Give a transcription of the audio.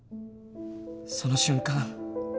その瞬間